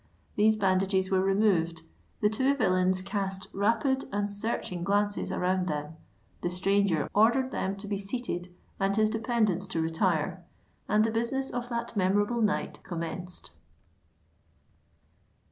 These bandages were removed—the two villains cast rapid and searching glances around them—the stranger ordered them to be seated and his dependants to retire—and the business of that memorable night commenced.